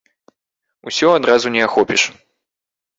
Усё адразу не ахопіш.